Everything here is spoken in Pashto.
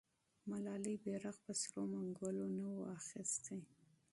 ملالۍ بیرغ په سرو منګولو نه و اخیستی.